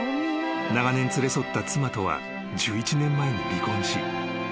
［長年連れ添った妻とは１１年前に離婚し独り身だった］